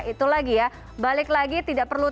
itu lagi ya balik lagi tidak perlu